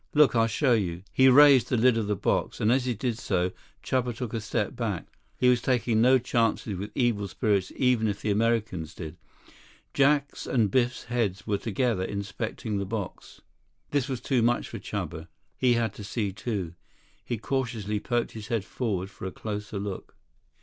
"Look. I'll show you." He raised the lid of the box, and as he did so, Chuba took a step back. He was taking no chances with evil spirits even if the Americans did. Jack's and Biff's heads were together inspecting the box. This was too much for Chuba. He had to see, too. He cautiously poked his head forward for a closer look.